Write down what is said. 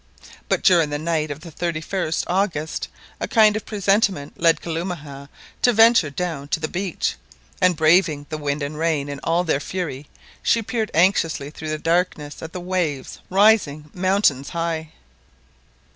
But during the night of the 31st August a kind of presentiment led Kalumah to venture down to the beach, and, braving the wind and rain in all their fury, she peered anxiously through the darkness at the waves rising mountains high.